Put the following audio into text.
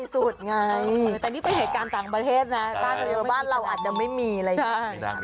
สุดไงแต่นี่เป็นเหตุการณ์ต่างประเทศนะบ้านเราอาจจะไม่มีอะไรใช่